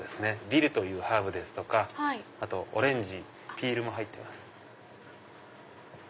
ディルというハーブですとかオレンジピールも入ってます。